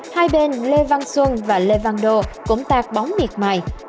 hai bên lê văn xuân và lê văn đô cũng tat bóng miệt mài